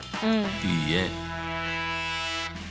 いいえ。